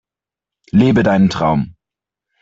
Lebe deinen Traum!